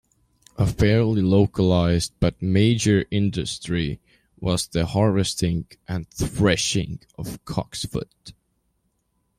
A fairly localised but major industry was the harvesting and threshing of cocksfoot.